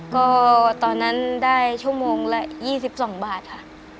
ก็ตอนนั้นได้ชั่วโมงละ๒๒บาทค่ะ